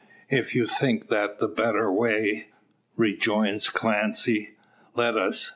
"If you think that the better way," rejoins Clancy, "let us.